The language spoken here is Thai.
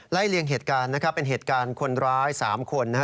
เลี่ยงเหตุการณ์นะครับเป็นเหตุการณ์คนร้าย๓คนนะฮะ